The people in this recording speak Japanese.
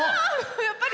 やっぱり！